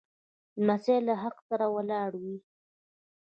لمسی له حق سره ولاړ وي.